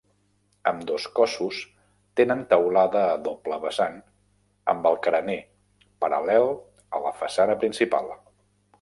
Ambdós cossos tenen teulada a doble vessant amb el carener paral·lel a la façana principal.